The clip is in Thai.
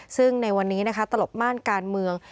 ซึ่งในวันนี้นะคะตลบม่านการเมือง